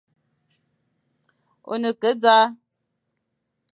Ô ne ke e zal,